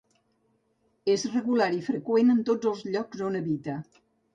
És regular i freqüent en tots els llocs on habita.